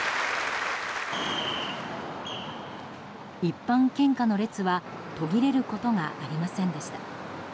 一般献花の列は途切れることがありませんでした。